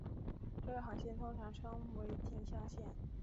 这个航向通常称作径向线。